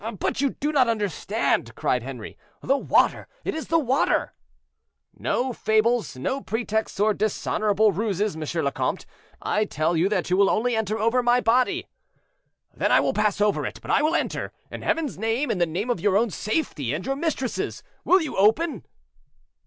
"But you do not understand," cried Henri; "the water; it is the water!" "No fables, no pretexts or dishonorable ruses, M. le Comte; I tell you that you will only enter over my body." "Then I will pass over it, but I will enter. In Heaven's name, in the name of your own safety and your mistress's, will you open?"